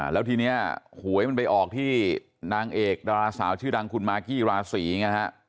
แล้วทีนี้หวยมันไปออกที่นางเอกดาราสาวชื่อดังคุณมากกี้ราศีไงฮะ